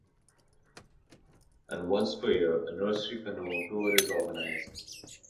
And once per year, a nursery canoe tour is organized.